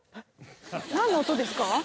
何の音ですか？